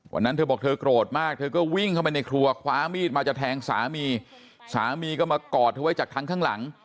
วันนั้นเธอบอกเธอโกรธมากเธอก็วิ่งเข้าไปในครัวคว้ามีดมาจะแทงสามีสามีก็มากอดเธอไว้จากทางข้างหลัง